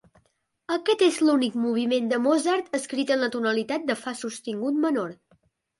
Aquest és l'únic moviment de Mozart escrit en la tonalitat de fa sostingut menor.